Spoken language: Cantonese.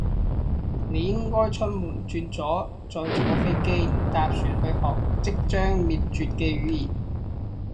你應該出門轉左，再坐飛機，搭船去學即將滅絕嘅語言